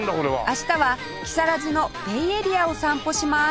明日は木更津のベイエリアを散歩します